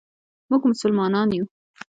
مونږ مسلمانان یو.